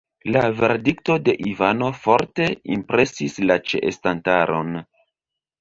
La verdikto de Ivano forte impresis la ĉeestantaron.